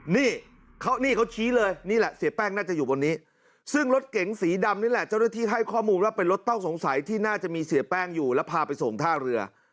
นี่เขาชี้เลยนี่แหละเสียแป้งน่าจะอยู่บนนี้ซึ่งรถเก๋งสีดำนี่แหละเจ้าหน้าที่ให้ข้อมูลว่าเป็นรถต้องสงสัยที่น่าจะมีเสียแป้งอยู่แล้วพาไปส่งท่าเรือ